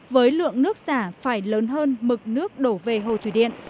với lượng nước xả phải lớn hơn mực nước đổ về hồ thủy điện